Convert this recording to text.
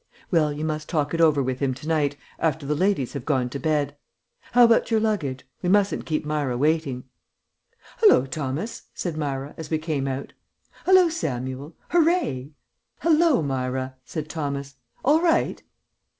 "Well, you must talk it over with him to night after the ladies have gone to bed. How about your luggage? We mustn't keep Myra waiting." "Hallo, Thomas!" said Myra, as we came out. "Hallo, Samuel! Hooray!" "Hallo, Myra!" said Thomas. "All right?"